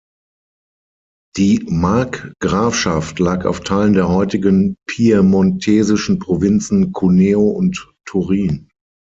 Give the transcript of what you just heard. Die Markgrafschaft lag auf Teilen der heutigen piemontesischen Provinzen Cuneo und Turin.